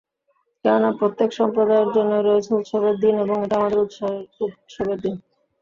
কেননা, প্রত্যেক সম্প্রদায়ের জন্যেই রয়েছে উৎসবের দিন এবং এটা আমাদের উৎসবের দিন।